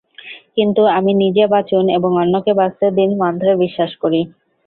কিন্তু আমি নিজে বাঁচুন এবং অন্যকে বাঁচতে দিন মন্ত্রে বিশ্বাস করি।